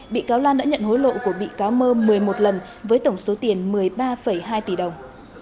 bị cáo lan đã nhận hối lộ của bị cáo mơ một mươi một lần với tổng số tiền một mươi ba hai tỷ đồng